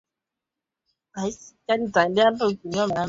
gavana anawajibika katika maamuzi yote ya kisera yanayotolewa na bodi